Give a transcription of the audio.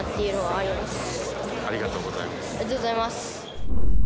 ありがとうございます。